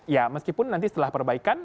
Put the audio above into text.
ya meskipun nanti setelah perbaikan